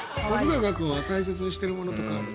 本君は大切にしてるものとかある？